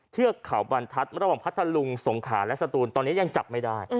เทือกเขาบรรทัศน์ระหว่างพัทธลุงสงขาและสตูนตอนนี้ยังจับไม่ได้